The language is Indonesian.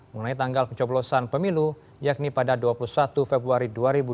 mengenai tanggal pencoblosan pemilu yakni pada dua puluh satu februari dua ribu dua puluh